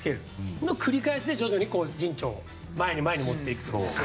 それの繰り返しで徐々に陣地を前に持っていく。